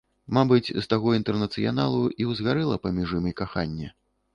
Мабыць, з таго інтэрнацыяналу і ўзгарэла паміж імі каханне.